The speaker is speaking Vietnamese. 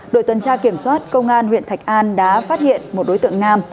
đội tuần tra kiểm soát công an huyện thạch an đã phát hiện một đối tượng nam